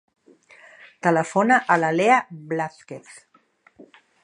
Telefona a la Lea Blazquez.